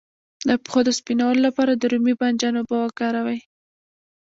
د پښو د سپینولو لپاره د رومي بانجان اوبه وکاروئ